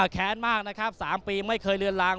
แค้นมากนะครับ๓ปีไม่เคยเลือนลาง